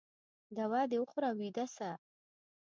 دوا د وخوره او ویده شه